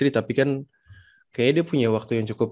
tapi kan kayaknya dia punya waktu yang cukup